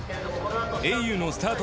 ａｕのスタート